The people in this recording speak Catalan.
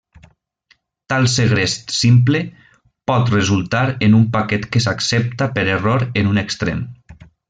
Tal segrest simple pot resultar en un paquet que s'accepta per error en un extrem.